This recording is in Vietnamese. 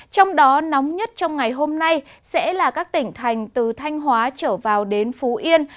trong đó nóng nhất trong ngày hôm nay sẽ là các tỉnh thành từ thanh hóa trở vào đến phú yên